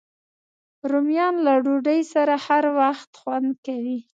رومیان له ډوډۍ سره هر وخت خوند کوي